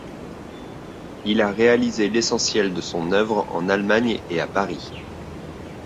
Il a réalisé l'essentiel de son œuvre en Allemagne et à Paris.